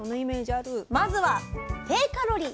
まずは低カロリー。